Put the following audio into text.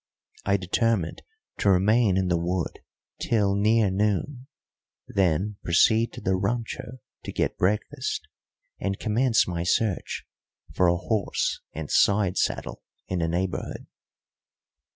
I determined to remain in the wood till near noon, then proceed to the rancho to get breakfast, and commence my search for a horse and side saddle in the neighbourhood.